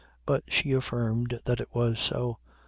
But she affirmed that it was so.